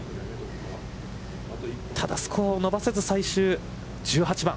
ただスコアを伸ばせず、最終１８番。